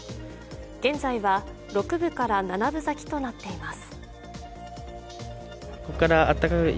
現在は六分から七分咲きとなっています。